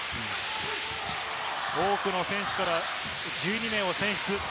多くの選手から１２名を選出。